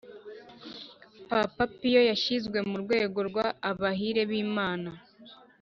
papa piyo yashyizwe mu rwego rwa’abahire bimana